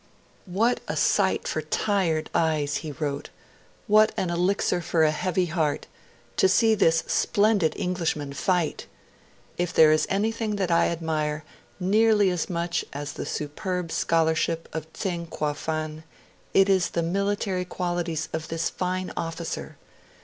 'What a sight for tired eyes,' he wrote, 'what an elixir for a heavy heart to see this splendid Englishman fight!... If there is anything that I admire nearly as much as the superb scholarship of Tseng Kuofan, it is the military qualities of this fine officer.